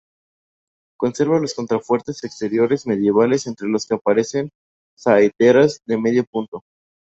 Conserva los contrafuertes exteriores medievales entre los que aparecen saeteras de medio punto.